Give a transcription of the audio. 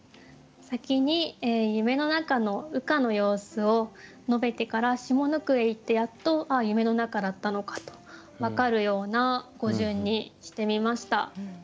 先に夢のなかの羽化の様子を述べてから下の句へいってやっと夢のなかだったのかと分かるような語順にしてみました。